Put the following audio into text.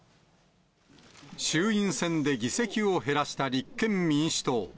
衆院選で議席を減らした立憲民主党。